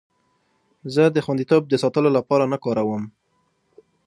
زه د خوندیتوب د ساتلو لپاره نه کار کوم.